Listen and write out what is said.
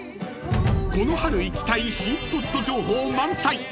［この春行きたい新スポット情報満載］